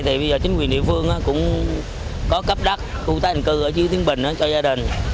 thì bây giờ chính quyền địa phương cũng có cấp đắc thu tác hành cư ở dưới tiếng bình cho gia đình